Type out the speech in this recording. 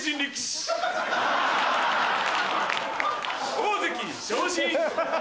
大関に昇進！